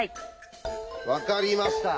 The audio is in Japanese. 分かりました！